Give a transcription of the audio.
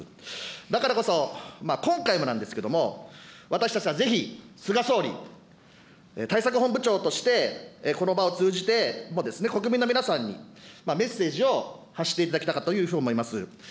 だからこそ、今回もなんですけれども、私たちはぜひ、菅総理、対策本部長としてこの場を通じて、国民の皆さんにメッセージを発していただきたいというふうに思います。